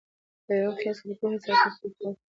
په یوه خېز د کوهي سرته سو پورته